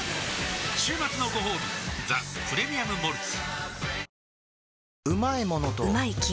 週末のごほうび「ザ・プレミアム・モルツ」